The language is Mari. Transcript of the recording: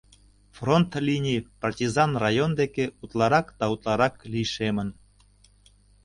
Фронт линий партизан район деке утларак да утларак лишемын.